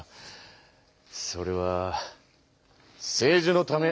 それは政治のため。